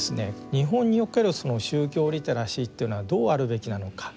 日本におけるその宗教リテラシーっていうのはどうあるべきなのか。